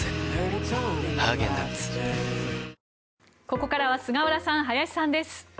ここからは菅原さん、林さんです。